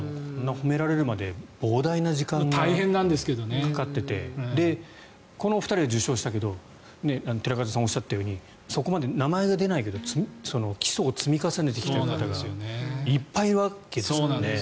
褒められるまで膨大な時間がかかっていてこの２人は受賞したけど寺門さんがおっしゃったようにそこまで名前は出ないけど基礎を積み重ねてきた方がいっぱいいるわけですね。